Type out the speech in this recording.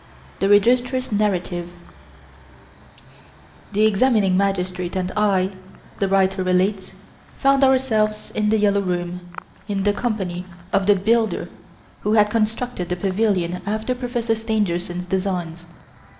THE REGISTRAR'S NARRATIVE The examining magistrate and I (the writer relates) found ourselves in "The Yellow Room" in the company of the builder who had constructed the pavilion after Professor Stangerson's designs.